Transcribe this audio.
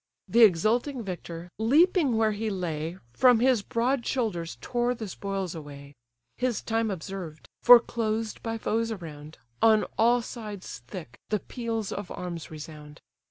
Thv exulting victor, leaping where he lay, From his broad shoulders tore the spoils away; His time observed; for closed by foes around, On all sides thick the peals of arms resound.